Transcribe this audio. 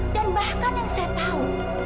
dan bahkan yang saya tahu